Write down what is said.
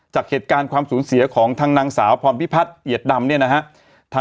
จากเหตุการณ์ความสูญเสียของทางนางสาวพรพิพัฒน์เอียดดำเนี่ยนะฮะ